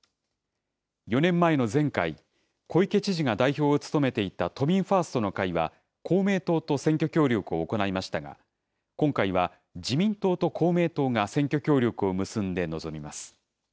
４年前の前回、小池知事が代表を務めていた都民ファーストの会は公明党と選挙協力を行いましたが、今回は自民党と公明党が選挙協力を結んで臨みます。